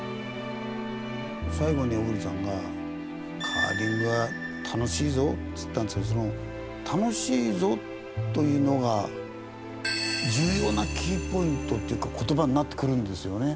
最後に小栗さんがカーリングは楽しいぞって言ったんですけどその「楽しいぞ」というのが重要なキーポイントっていうか言葉になってくるんですよね。